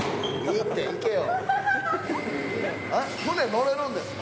えっ舟乗れるんですか？